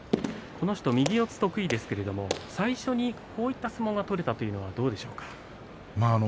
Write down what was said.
この人は右四つが得意ですけれども最初にこういった相撲を取れたというのはどうでしょうか。